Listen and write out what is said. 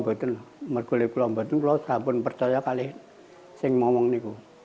bang itu saya sudah sampai